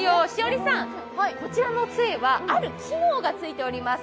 栞里さん、こちらのつえは、ある機能が付いております。